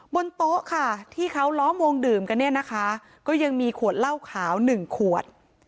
บนโต๊ะค่ะที่เขาล้อมวงดื่มกันเนี่ยนะคะก็ยังมีขวดเหล้าขาวหนึ่งขวด